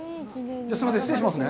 すいません、失礼しますね。